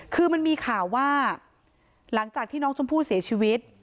คือมันมีข่าวว่าหลังจากที่น้องชมพู่เสียชีวิต